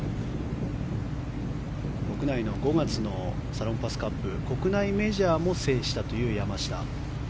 国内の５月のサロンパスカップ国内メジャーも制したという山下。